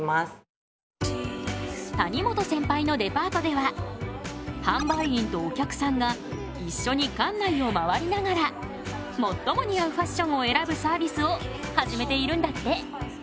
谷本センパイのデパートでは販売員とお客さんが一緒に館内をまわりながら「最も似合うファッション」を選ぶサービスを始めているんだって。